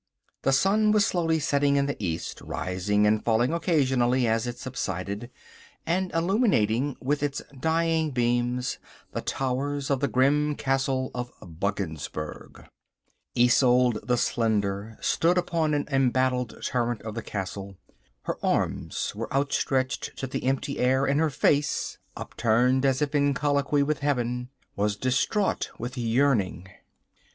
The sun was slowly setting in the east, rising and falling occasionally as it subsided, and illuminating with its dying beams the towers of the grim castle of Buggensberg. Isolde the Slender stood upon an embattled turret of the castle. Her arms were outstretched to the empty air, and her face, upturned as if in colloquy with heaven, was distraught with yearning.